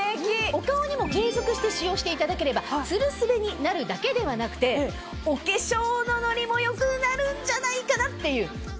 お顔にも継続して使用していただければツルスベになるだけではなくてお化粧のノリも良くなるんじゃないかなっていう。